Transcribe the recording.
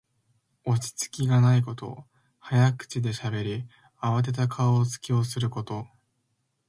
落ち着きがないこと。早口でしゃべり、あわてた顔つきをすること。